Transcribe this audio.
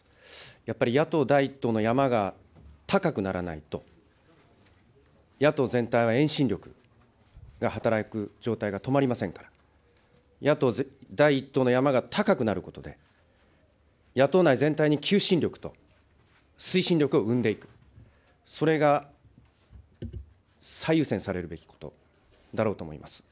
やっぱり野党第１党の山が高くならないと、野党全体は遠心力が働く状態が止まりませんから、野党第１党の山が高くなることで、野党内全体に求心力と推進力を生んでいく、それが最優先されるべきことだろうと思います。